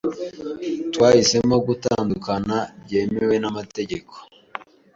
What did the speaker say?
Twahisemo gutandukana byemewe n'amategeko.